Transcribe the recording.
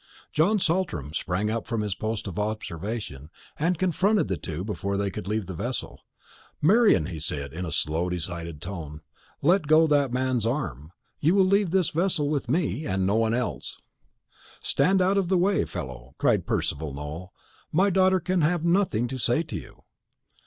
John Saltram sprang up from his post of observation, and confronted the two before they could leave the vessel. "Marian," he said, in slow decided tone, "let go that man's arm. You will leave this vessel with me, and with no one else." "Stand out of the way, fellow," cried Percival Nowell; "my daughter can have nothing to say to you."